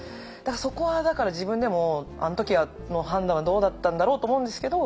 そこはだから自分でもあの時の判断はどうだったんだろうと思うんですけど